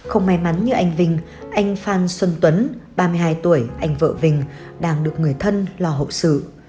không may mắn như anh vinh anh phan xuân tuấn ba mươi hai tuổi anh vợ vinh đang được người thân lo hậu sự